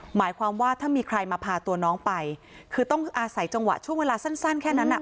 หมายความว่าถ้ามีใครมาพาตัวน้องไปคือต้องอาศัยจังหวะช่วงเวลาสั้นแค่นั้นอ่ะ